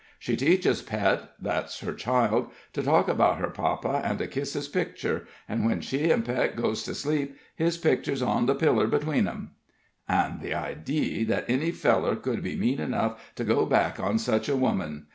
She teaches Pet that's her child to talk about her papa, an' to kiss his pictur; an' when she an' Pet goes to sleep, his pictur's on the pillar beween 'em." "An' the idee that any feller could be mean enough to go back on such a woman!